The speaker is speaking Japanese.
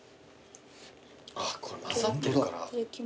あぁこれ混ざってるから。